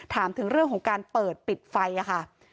ถามถึงเรื่องของการเปิดปิดไฟค่ะ